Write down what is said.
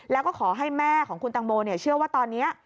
แล้วก็ขอให้แม่ของคุณตังโมเชื่อว่าตอนนี้